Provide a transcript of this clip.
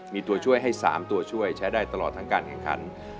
มีตัวช่วยให้๓ตัวช่วยใช้ได้ตลอดทั้งการแข่งขัน